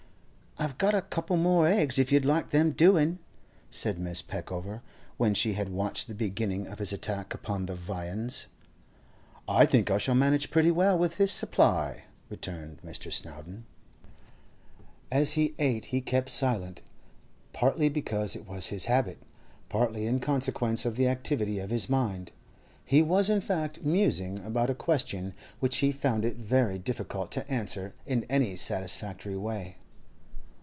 'I've got a couple more eggs, if you'd like them doin',' said Mrs. Peckover, when she had watched the beginning of his attack upon the viands. 'I think I shall manage pretty well with this supply,' returned Mr. Snowdon. As he ate he kept silence, partly because it was his habit, partly in consequence of the activity of his mind. He was, in fact, musing upon a question which he found it very difficult to answer in any satisfactory way.